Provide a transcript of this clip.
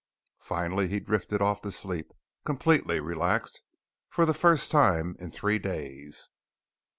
Finally he drifted off deep, completely relaxed for the first time in three days.